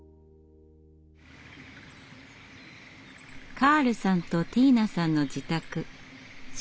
カールさんとティーナさんの自宅双鶴庵では。